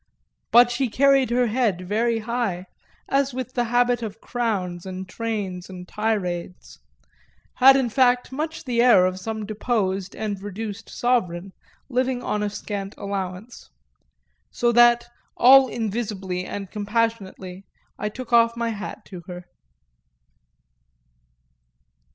But she carried her head very high, as with the habit of crowns and trains and tirades had in fact much the air of some deposed and reduced sovereign living on a scant allowance; so that, all invisibly and compassionately, I took off my hat to her.